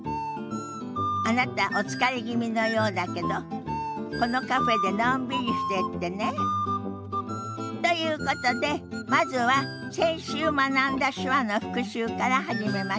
あなたお疲れ気味のようだけどこのカフェでのんびりしてってね。ということでまずは先週学んだ手話の復習から始めましょ。